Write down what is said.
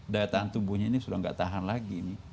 daya tahan tubuhnya ini sudah tidak tahan lagi